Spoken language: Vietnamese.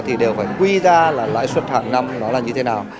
thì đều phải quy ra là lãi suất hàng năm nó là như thế nào